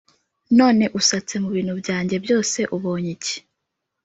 None usatse mu bintu byanjye byose ubonye iki